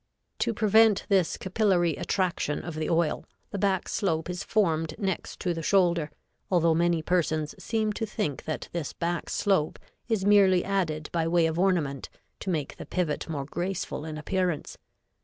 To prevent this capillary attraction of the oil, the back slope is formed next to the shoulder, although many persons seem to think that this back slope is merely added by way of ornament, to make the pivot more graceful in appearance.